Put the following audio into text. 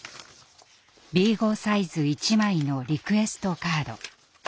Ｂ５サイズ１枚のリクエストカード。